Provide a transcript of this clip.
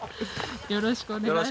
よろしくお願いします。